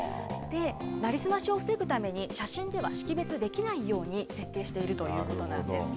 なりすましを防ぐために、写真では識別できないように設定しているということなんです。